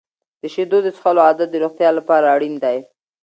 د شیدو د څښلو عادت د روغتیا لپاره اړین دی.